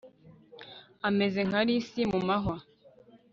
ameze nka lisi mu mahwa